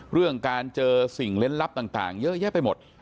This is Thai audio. เรื่องการเจอสิ่งเล่นลับต่างเยอะแยะไปหมด